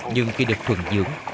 nhưng khi được thuần dưỡng